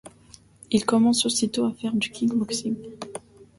Il commence aussi à faire du kick-boxing.